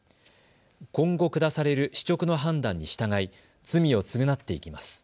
今後下される司直の判断に従い罪を償っていきます。